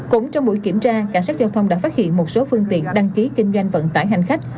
cũng trong buổi kiểm tra cảnh sát giao thông đã phát hiện một số phương tiện đăng ký kinh doanh vận tải hành khách